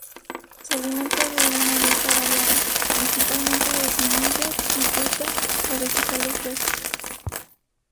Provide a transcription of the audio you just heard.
Se alimenta de una dieta variada, principalmente de semillas y fruta o vegetales frescos.